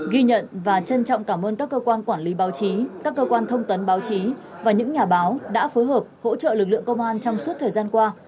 ghi nhận và trân trọng cảm ơn các cơ quan quản lý báo chí các cơ quan thông tấn báo chí và những nhà báo đã phối hợp hỗ trợ lực lượng công an trong suốt thời gian qua